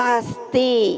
akses terhadap pendidikan